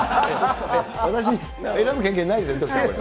私、選ぶ権限ないですね、徳ちゃん、これ。